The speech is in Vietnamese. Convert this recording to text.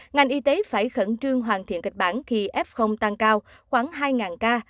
ngành y tế phải khẩn trương hoàn thiện kịch bản khi f tăng cao khoảng hai ca